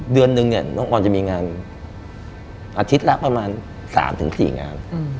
เดือนนึงเนี่ยน้องออนจะมีงานอาทิตย์ละประมาณ๓๔งาน